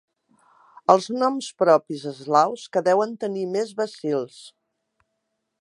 Els noms propis eslaus que deuen tenir més bacils.